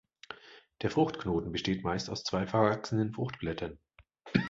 Der Fruchtknoten besteht meist aus zwei verwachsenen Fruchtblättern.